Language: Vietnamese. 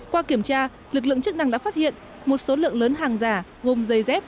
qua kiểm tra lực lượng chức năng đã phát hiện một số lượng lớn hàng giả gồm dây dép